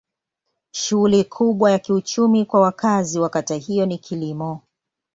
Shughuli kubwa ya kiuchumi kwa wakazi wa kata hiyo ni kilimo.